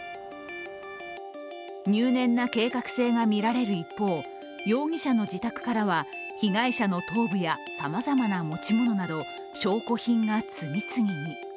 入念な計画性が見られる一方、容疑者の自宅からは被害者の頭部やさまざまな持ち物など、証拠品が次々に。